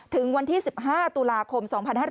ถึงวันที่๑๕ตุลาคม๒๕๕๙